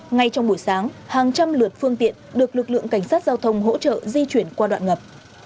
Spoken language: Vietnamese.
ngay trong buổi sáng hàng trăm lượt phương tiện được lực lượng cảnh sát giao thông hỗ trợ di chuyển qua đoạn ngập